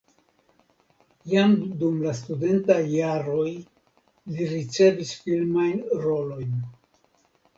Jam dum la studentaj jaroj li ricevis filmajn rolojn.